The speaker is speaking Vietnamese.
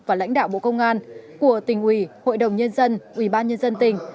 và lãnh đạo bộ công an của tỉnh ủy hội đồng nhân dân ủy ban nhân dân tỉnh